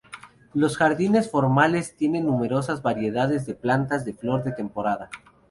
Los jardines formales tienen numerosas variedades de plantas de flor de temporada.